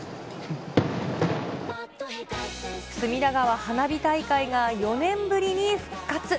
隅田川花火大会が４年ぶりに復活。